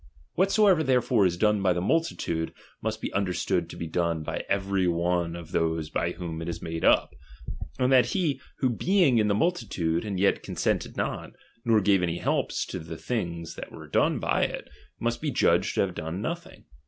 Whatsoever, therefore, is done by the multitude, iQUst be understood to be done by every one of tliose by whom it is made up ; and that he, who being in the multitude, and yet consented not, nor gave any helps to the things that were done by it, nmst be judged to have done nothing.